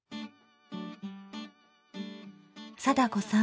貞子さん